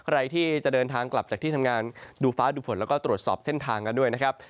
ใครที่จะเดินทางกลับจากที่ทำงานดูฟ้าดูฝนแล้วก็ตรวจสอบเส้นทางกันด้วยนะครับ